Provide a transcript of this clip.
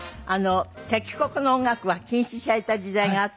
敵国の音楽は禁止された時代があったから。